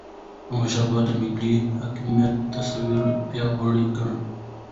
د احمد شاه بابا د ملي حاکمیت تصور پیاوړی کړ.